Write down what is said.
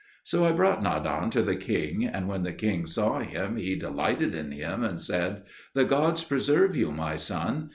So I brought Nadan to the king; and when the king saw him, he delighted in him and said, "The gods preserve you, my son!"